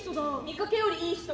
見かけよりいい人。